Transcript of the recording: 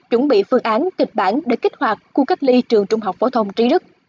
chuẩn bị phương án kịch bản để kích hoạt khu cách ly trường trung học phổ thông trí đức